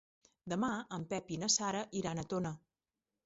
Demà en Pep i na Sara iran a Tona.